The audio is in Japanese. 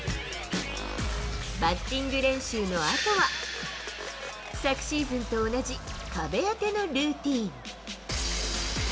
バッティング練習のあとは、昨シーズンと同じ壁当てのルーティン。